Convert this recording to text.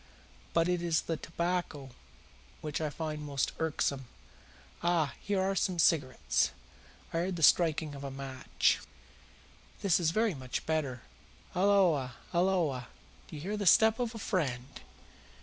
But it is the tobacco which I find most irksome. Ah, here ARE some cigarettes." I heard the striking of a match. "That is very much better. Halloa! halloa! Do I hear the step of a friend?"